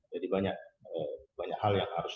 jadi banyak hal yang harus